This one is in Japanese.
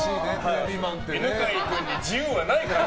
犬飼君に自由はないから。